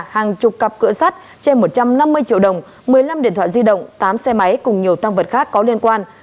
hàng chục cặp cửa sắt trên một trăm năm mươi triệu đồng một mươi năm điện thoại di động tám xe máy cùng nhiều tăng vật khác có liên quan